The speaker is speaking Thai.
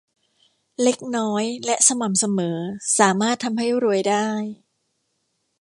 เล็กน้อยและสม่ำเสมอสามารถทำให้รวยได้